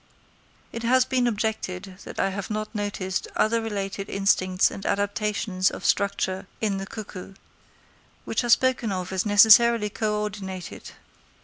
It has been objected that I have not noticed other related instincts and adaptations of structure in the cuckoo, which are spoken of as necessarily co ordinated.